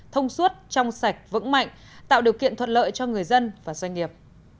thông suốt trong sạch vững mạnh tạo điều kiện thuận lợi cho người dân và doanh nghiệp